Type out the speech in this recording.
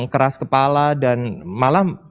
keras kepala dan malah